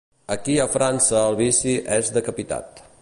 Aquí a França el vici és decapitat.